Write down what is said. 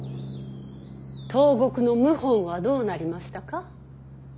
東国の謀反はどうなりましたか。